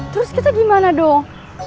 terus kita gimana dong